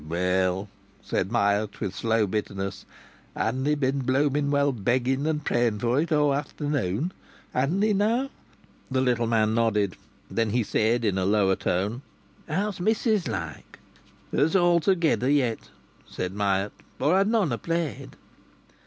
"Well," said Myatt, with slow bitterness. "Hadn't he been blooming well begging and praying for it, aw afternoon? Hadn't he now?" The little man nodded. Then he said in a lower tone: "How's missis, like?" "Her's altogether yet," said Myatt. "Or I'd none ha' played!"